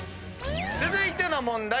続いての問題